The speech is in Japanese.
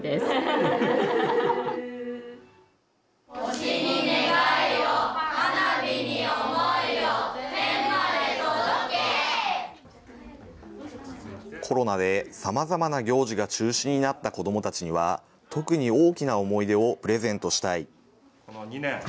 星に願いを、花火に思いを、コロナでさまざまな行事が中止になった子どもたちには、特に大きな思い出をプレゼントしたい。